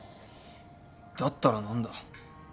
だったら何だ？